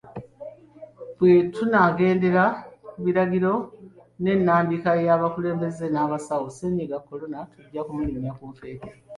Bwe tunaagendera ku biragiro n'ennambika y'abakulembeze n'abasawo, ssennyiga kolona tujja kumulinnya ku nfeete.